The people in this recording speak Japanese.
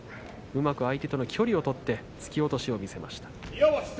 うまく相手との距離を取って突き落としを見せました。